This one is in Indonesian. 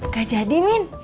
gak jadi min